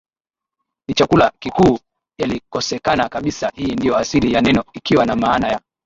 ni chakula kikuu yalikosekana kabisa Hii ndio asili ya neno ikiwa na maana ya